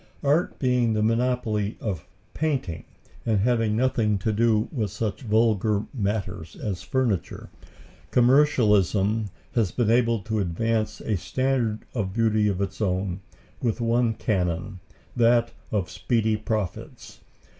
Art being the monopoly of "painting," and having nothing to do with such vulgar matters as furniture, commercialism has been able to advance a standard of beauty of its own, with one canon, that of speedy profits.